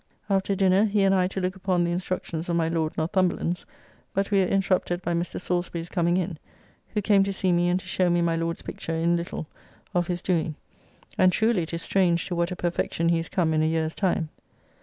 After dinner he and I to look upon the instructions of my Lord Northumberland's, but we were interrupted by Mr. Salisbury's coming in, who came to see me and to show me my Lord's picture in little, of his doing. And truly it is strange to what a perfection he is come in a year's time.